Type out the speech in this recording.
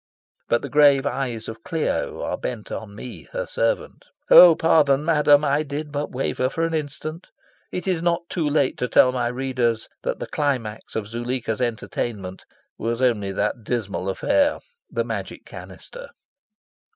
But the grave eyes of Clio are bent on me, her servant. Oh pardon, madam: I did but waver for an instant. It is not too late to tell my readers that the climax of Zuleika's entertainment was only that dismal affair, the Magic Canister.